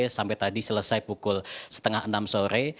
sampai tadi selesai pukul setengah enam sore